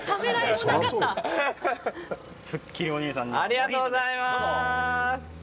ありがとうございます！